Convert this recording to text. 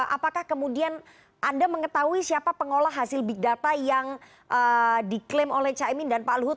apakah kemudian anda mengetahui siapa pengolah hasil big data yang diklaim oleh caimin dan pak luhut